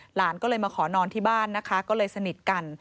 หลานก็เลยมาขอนอนที่บ้านนะคะก็เลยสนิทกัน